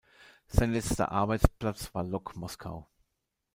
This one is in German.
Sein letzter Arbeitsplatz war Lok Moskau.